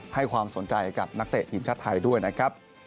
ให้ความสนใจกับนักเตะทีมชาติไทยด้วยนะครับ